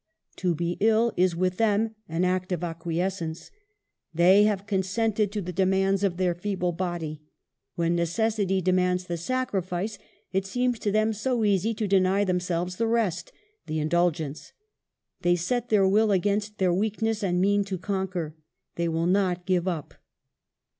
To be ill, is with them an act of acquiescence; they have consented to the demands of their feeble body. When necessity demands the sacrifice, it seems to them so easy to deny themselves the rest, the indulgence. They set their will against their weakness, and mean to conquer. They will not give up.